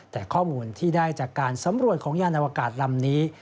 แต่ข้อมูลที่ได้จากการสำรวจของยานอวกาศลำนี้